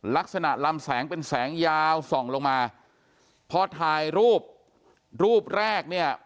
ลักษณะลำแสงเป็นแสงยาวส่องลงมาพอถ่ายรูปรูปแรกเนี่ย